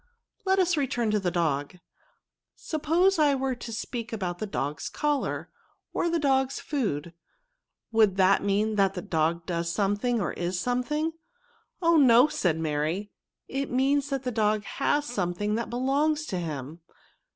"Let us return to tho^idpg; suppose I were to speak about the dog's collar, or the dog's food, would that mean that the dog does something, or is something?" " Oh ! no," said Mary ;" it means that the dog has something that belongs to him.